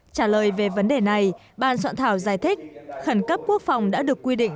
trả lời về vấn đề này ban soạn thảo giải thích khẩn cấp quốc phòng đã được quy định